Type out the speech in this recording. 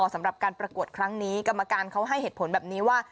สำหรับการประกวดครั้งนี้กรรมการเขาให้เหตุผลแบบนี้ว่า